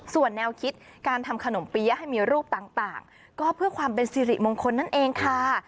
ส่วนแนวคิดการทำขนมเปี๊ยะให้มีรูปต่างก็เพื่อความเป็นสิริมงคลนั่นเองค่ะ